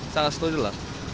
sangat setuju lah